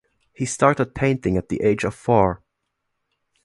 He started painting at the age of four.